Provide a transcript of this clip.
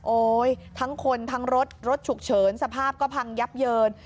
ทั้งคนทั้งรถรถฉุกเฉินสภาพก็พังยับเยิน